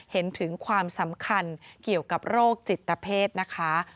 เห็นถึงความสำคัญเกี่ยวกับโรคจิตเพศนะคะ